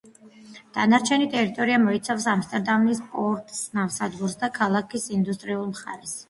დანარჩენი ტერიტორია მოიცავს ამსტერდამის პორტს, ნავსადგურს და ქალაქის ინდუსტრიულ მხარეს.